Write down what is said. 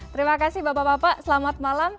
terima kasih bapak bapak selamat malam